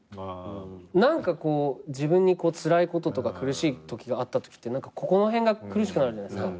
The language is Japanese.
何かこう自分につらいこととか苦しいときがあったときってこの辺が苦しくなるじゃないっすか。